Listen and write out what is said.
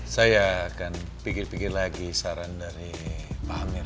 saya akan pikir pikir lagi saran dari pak amir